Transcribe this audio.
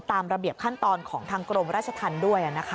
ตามระเบียบขั้นตอนของทางกรมราชธรรมด้วย